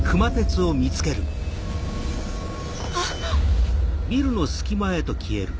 あっ。